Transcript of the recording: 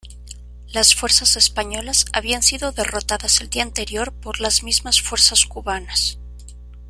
Las fuerzas españolas habían sido derrotadas el día anterior por las mismas fuerzas cubanas.